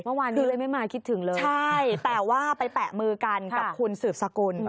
เมื่อวานนี้เลยไม่มาคิดถึงเลยใช่แต่ว่าไปแปะมือกันกับคุณสืบสกุล